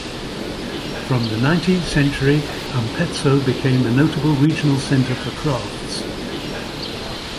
From the nineteenth century, Ampezzo became a notable regional centre for crafts.